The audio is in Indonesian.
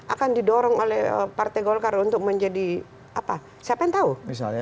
akan didorong oleh partai golkar untuk mencari elektabilitas